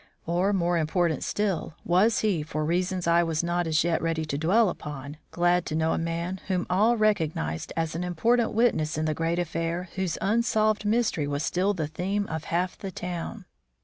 Or, more important still, was he, for reasons I was not as yet ready to dwell upon, glad to know a man whom all recognised as an important witness in the great affair whose unsolved mystery was still the theme of half the town?